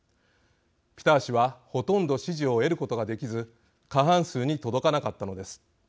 ピター氏はほとんど支持を得ることができず過半数に届かなかったのです。